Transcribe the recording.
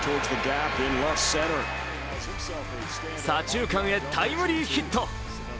左中間へタイムリーヒット。